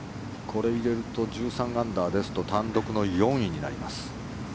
これ入れると１３アンダーですと単独４位になります。